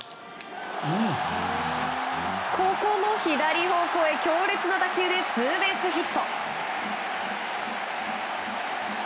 ここも左方向へ強烈な打球でツーベースヒット！